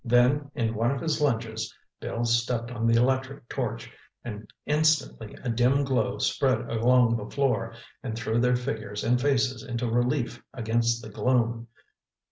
Then, in one of his lunges, Bill stepped on the electric torch—and instantly a dim glow spread along the floor and threw their figures and faces into relief against the gloom.